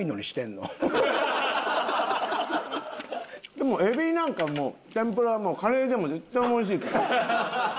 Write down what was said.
でもエビなんかもう天ぷらもカレーでも絶対おいしいから。